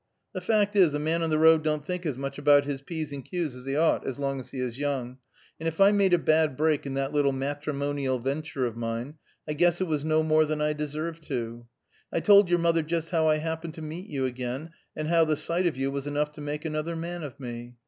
The fact is, a man on the road don't think as much about his p's and q's as he ought as long as he is young, and if I made a bad break in that little matrimonial venture of mine, I guess it was no more than I deserved to. I told your mother just how I happened to meet you again, and how the sight of you was enough to make another man of me.